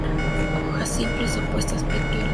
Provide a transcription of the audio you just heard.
Hojas simples, opuestas, pecioladas.